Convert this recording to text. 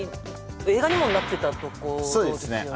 映画にもなってたところですよね